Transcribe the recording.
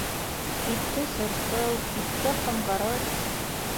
Китте сыр-сыу, китте ҡымғырыз